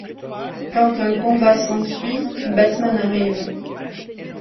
Quand un combat s'ensuit, Batman arrive.